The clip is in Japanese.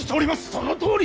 そのとおり！